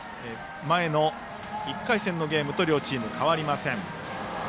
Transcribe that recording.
前の１回戦のゲームと両チーム変わりません。